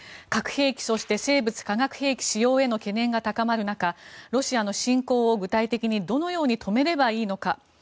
核兵器、そして生物・化学兵器仕様への懸念が高まる中ロシアの侵攻を具体的にどのように止めればいいのか。